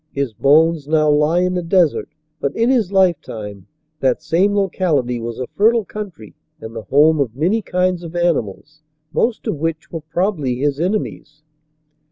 His bones now lie in a desert, but in his life time that same locality was a fertile country and the home of many kinds of animals, most of which were probably his enemies.